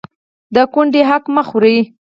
د کونډې حق مه خورئ